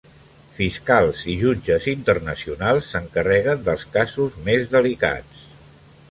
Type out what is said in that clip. Fiscals i jutges internacionals s'encarreguen dels casos més delicats.